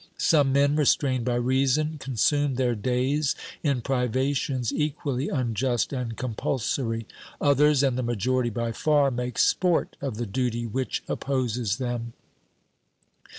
Some men, restrained by reason, consume their days in privations equally unjust and compulsory; others, and the majority by far, make sport of the duty which opposes them.